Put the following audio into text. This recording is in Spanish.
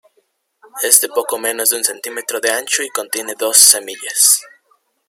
Es de poco menos de un centímetro de ancho y contiene dos semillas.